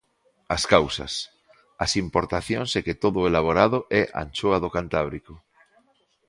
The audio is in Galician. As causas: as importacións e que todo o elaborado é anchoa do Cantábrico.